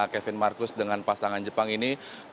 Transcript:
kevin marcus dengan pasangan jepang ini